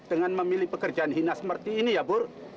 dengan memilih pekerjaan hina seperti ini ya bur